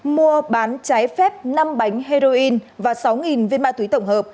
mua bán trái phép năm bánh heroin và sáu viên ma túy tổng hợp